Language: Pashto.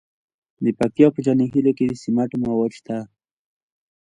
د پکتیا په جاني خیل کې د سمنټو مواد شته.